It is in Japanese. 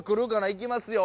いきますよ。